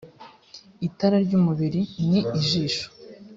itara ry’ umubiri ni ijisho